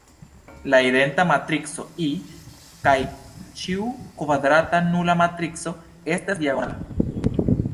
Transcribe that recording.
La identa matrico "I" kaj ĉiu kvadrata nula matrico estas diagonala.